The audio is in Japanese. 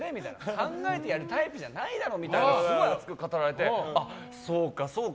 考えてやるタイプじゃないだろみたいにすごく熱く語られてそうか、そうか。